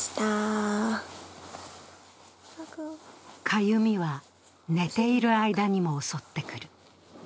かゆみは、寝ている間にも襲ってくる。